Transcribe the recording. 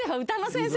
先生。